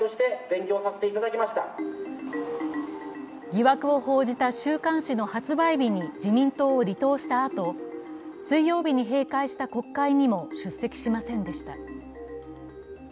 疑惑を報じた週刊誌の発売日に自民党を離党したあと、水曜日に閉会した国会にも出席しませんでした。